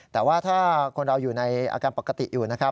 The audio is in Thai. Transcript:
แต่ว่าถ้าคนเราอยู่ในอาการปกติอยู่นะครับ